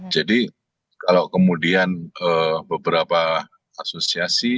jadi kalau kemudian beberapa asosiasi